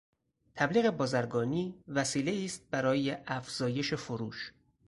تبلیغ بازرگانی وسیلهای است برای افزایش فروش.